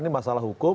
ini masalah hukum